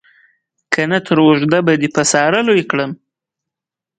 که نه تر اوږده به دې په ساره لوی کړم.